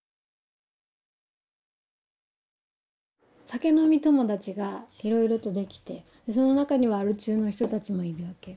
酒飲み友達がいろいろとできてその中にはアル中の人たちもいるわけ。